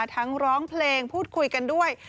ร้องเพลงพูดคุยกันด้วย